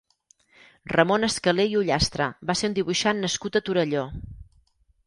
Ramon Escaler i Ullastre va ser un dibuixant nascut a Torelló.